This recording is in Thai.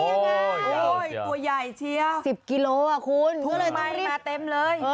โอ้ยตัวใหญ่เชียว๑๐กิโลกรัมคุณทุกมายมาเต็มเลย